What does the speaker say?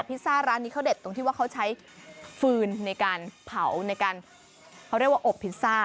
ซ่าร้านนี้เขาเด็ดตรงที่ว่าเขาใช้ฟืนในการเผาในการเขาเรียกว่าอบพิซซ่า